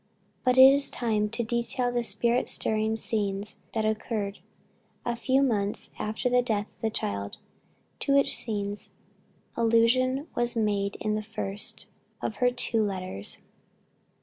But it is time to detail the spirit stirring scenes that occurred a few months after the death of the child; to which scenes allusion was made in the first of her two letters.